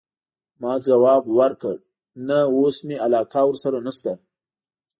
ما ځواب ورکړ: نه، اوس مي علاقه ورسره نشته.